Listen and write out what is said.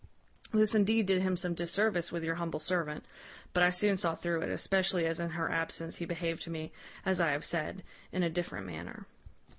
This indeed did him some disservice with your humble servant; but I soon saw through it, especially as in her absence he behaved to me, as I have said, in a different manner.